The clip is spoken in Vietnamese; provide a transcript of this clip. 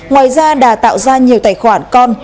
ngoài ra đà tạo ra nhiều tài khoản con